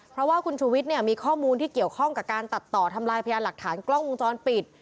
เพราะว่าคุณชูวิทย์เนี่ยมีข้อมูลที่เกี่ยวข้องกับการตัดต่อทำลายพยานหลักฐานกล้องวงจรปิด